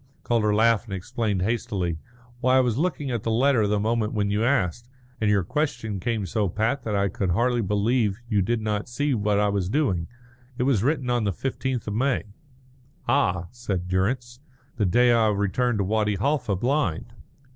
Calder laughed and explained hastily. "Why, I was looking at the letter at the moment when you asked, and your question came so pat that I could hardly believe you did not see what I was doing. It was written on the fifteenth of May." "Ah," said Durrance, "the day I returned to Wadi Halfa blind."